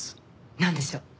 なんでしょう？